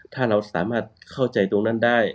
ถ้าเราสามารถเข้าใจตรงนั้นได้